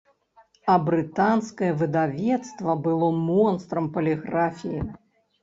А брытанскае выдавецтва было монстрам паліграфіі.